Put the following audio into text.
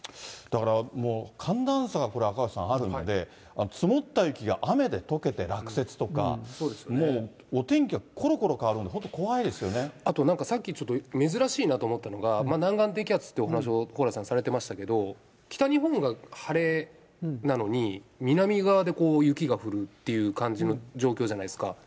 だからもう、寒暖差が赤星さん、あるので、積もった雪が雨でとけて落雪とか、もうお天気がころころ変わるんで本当、あとなんかさっきちょっと、珍しいなと思ったのが、南岸低気圧ってお話を蓬莱さん、されてましたけど、北日本が晴れなのに、南側で雪が降るっていう感じの状況じゃないですか。